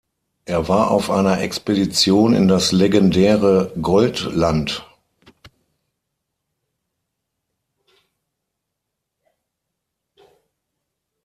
Er war auf einer Expedition in das legendäre "„Goldland“".